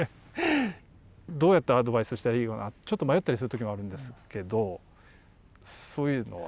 どうやってアドバイスしたらいいかなちょっと迷ったりする時もあるんですけどそういうのは？